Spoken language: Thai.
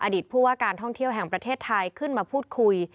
ผู้ว่าการท่องเที่ยวแห่งประเทศไทยขึ้นมาพูดคุย